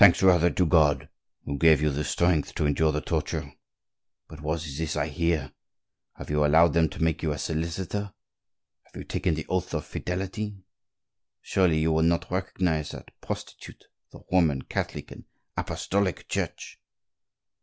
"Thanks rather to God, who gave you the strength to endure the torture. But what is this I hear? Have you allowed them to make you a solicitor? Have you taken the oath of fidelity? Surely you will not recognize that prostitute, the Roman, Catholic, and apostolic Church?"